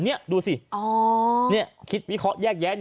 นี่ดูสินี่คิดวิเคราะห์แยกแยะ